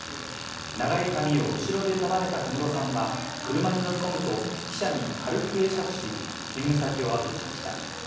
長い髪を後ろで束ねた小室さんは車に乗り込むと、記者に軽く会釈し、勤務先を後にしました。